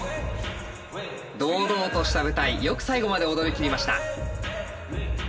堂々とした舞台よく最後まで踊りきりました。